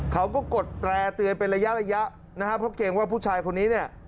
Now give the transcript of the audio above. เขาก็กดแตรตื่นเป็นระยะนะฮะเพราะเกรงว่าผู้ชายคนนี้